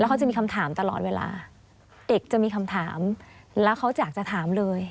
เขาจะมีคำถามตลอดเวลาเด็กจะมีคำถามแล้วเขาอยากจะถามเลย